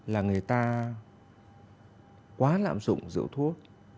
là người ta quá lạm dụng rượu thuốc